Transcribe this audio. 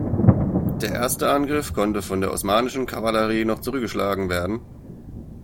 Der erste Angriff konnte von der osmanischen Kavallerie noch zurückgeschlagen werden.